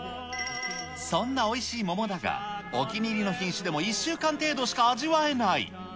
そんなおいしい桃だが、お気に入りの品種でも１週間程度しか味わえない。